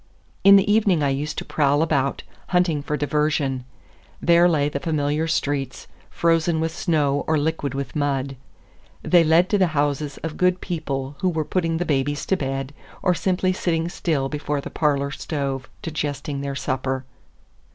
In the evening I used to prowl about, hunting for diversion. There lay the familiar streets, frozen with snow or liquid with mud. They led to the houses of good people who were putting the babies to bed, or simply sitting still before the parlor stove, digesting their supper.